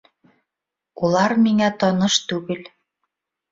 Улар миңә таныш түгел.